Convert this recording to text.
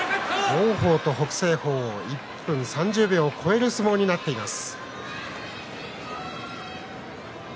王鵬と北青鵬１分３０秒を超える相撲になっています。